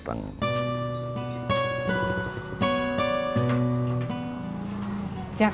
kamu mau jemput si ojak